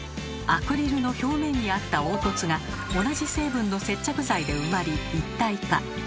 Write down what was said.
アクリルの表面にあった凹凸が同じ成分の接着剤で埋まり一体化。